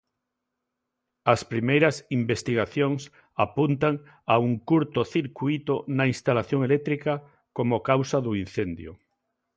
As primeiras investigacións apuntan a un curtocircuíto na instalación eléctrica como causa do incendio.